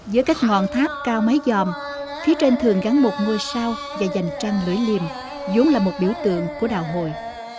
giữa các ngọn tháp cao mái dòm phía trên thường gắn một ngôi sao và vành trăng lưỡi liềm vốn là một biểu tượng của đạo hồi